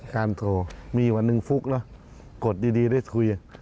การโทรมีวันหนึ่งฟุกแล้วกดดีได้คุย